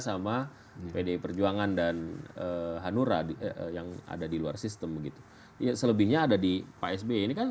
sama pdi perjuangan dan hanura yang ada di luar sistem begitu ya selebihnya ada di pak sby ini kan